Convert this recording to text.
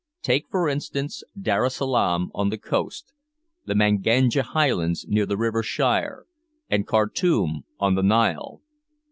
Take, for instance, Darra Salaam on the coast, the Manganja highlands near the river Shire, and Kartoum on the Nile.